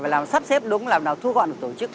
và làm sắp xếp đúng làm thế nào thu gọn được tổ chức